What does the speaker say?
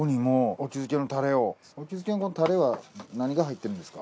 沖漬けのタレは何が入ってるんですか？